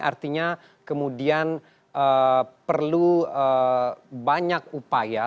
artinya kemudian perlu banyak upaya